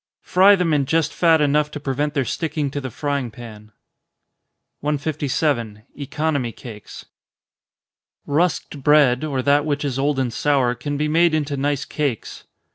Fry them in just fat enough to prevent their sticking to the frying pan. 157. Economy Cakes. Rusked bread, or that which is old and sour, can be made into nice cakes.